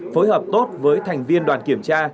phối hợp tốt với thành viên đoàn kiểm tra